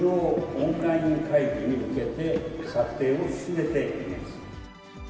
オンライン会議に向けて策定を進めています。